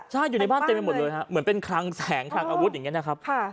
ใช่อยู่ในบ้านเต็มไปหมดเลยฮะเหมือนเป็นคลังแสงคลังอาวุธอย่างนี้นะครับ